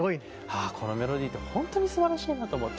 ああこのメロディーって本当にすばらしいなと思う。